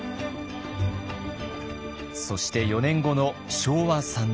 そして４年後の昭和３年。